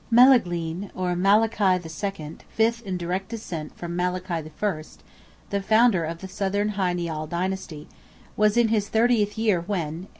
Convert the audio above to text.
Melaghlin, or Malachy II., fifth in direct descent from Malachy I. (the founder of the Southern Hy Nial dynasty), was in his thirtieth year when (A.